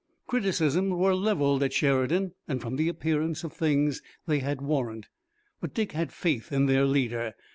Criticisms were leveled at Sheridan, and from the appearance of things they had warrant, but Dick had faith in their leader.